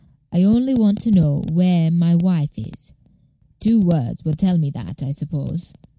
"I only want to know where my wife is. Two words will tell me that, I suppose."